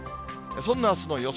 そんなあすの予想